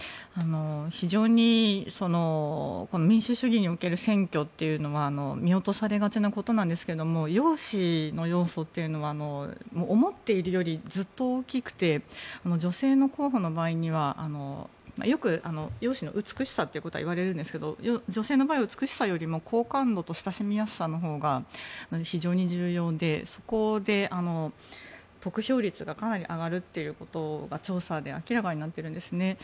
非常に民主主義における選挙というのは見落とされがちなことなんですが容姿の要素というのは思っているよりずっと大きくて女性の候補の場合にはよく、容姿の美しさということは言われるんですが女性の場合は美しさよりも好感度と親しみやすさのほうが非常に重要でそこで得票率がかなり上がるということが調査で明らかになってるんですね。